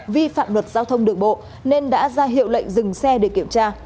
vi phạm luật giao thông đường bộ nên đã ra hiệu lệnh dừng xe để kiểm tra